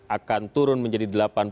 akan turun menjadi delapan